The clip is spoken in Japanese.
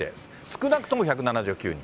少なくとも１７９人。